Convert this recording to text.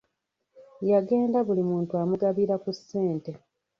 Yagenda buli muntu amugabira ku ssente.